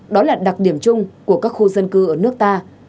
đó là đặc điểm chung của các khu dân cư ở nước ta